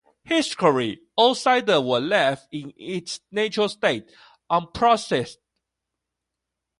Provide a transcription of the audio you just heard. Historically all cider was left in its natural state, unprocessed.